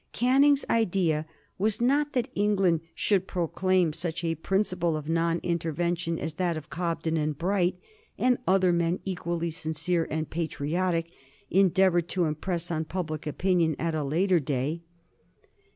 Canning's idea was not that England should proclaim such a principle of non intervention as that which Cobden and Bright, and other men equally sincere and patriotic, endeavored to impress on public opinion at a later day.